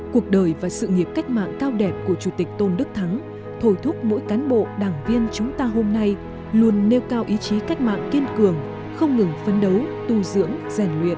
cuộc đời và sự nghiệp cách mạng cao đẹp của chủ tịch tôn đức thắng thổi thúc mỗi cán bộ đảng viên chúng ta hôm nay luôn nêu cao ý chí cách mạng kiên cường không ngừng phấn đấu tu dưỡng rèn luyện